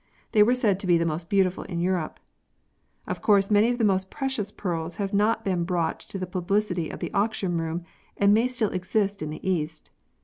They were said to be the most beautiful in Europe. Of course many of the most precious pearls have not been brought to the publicity of the auction room and may still exist in the East.